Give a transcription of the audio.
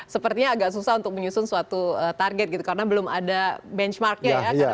sepertinya agak susah untuk menyusun suatu target gitu karena belum ada benchmarknya ya